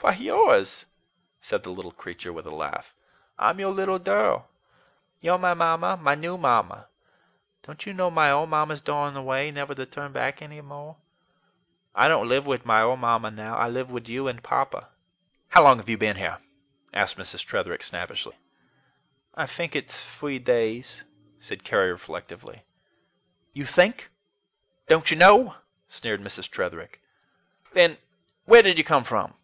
"Why, yours," said the little creature with a laugh. "I'm your little durl. You're my mamma, my new mamma. Don't you know my ol' mamma's dorn away, never to turn back any more? I don't live wid my ol' mamma now. I live wid you and Papa." "How long have you been here?" asked Mrs. Tretherick snappishly. "I fink it's free days," said Carry reflectively. "You think! Don't you know?" sneered Mrs. Tretherick. "Then, where did you come from?"